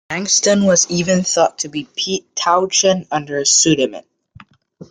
Langston was even thought to be Pete Townshend under a pseudonym.